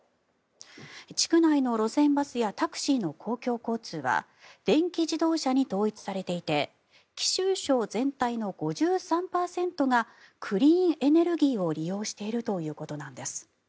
地区内の路線バスやタクシーの公共交通は電気自動車に統一されていて貴州省全体の５３％がクリーンエネルギーを利用しているということなんです。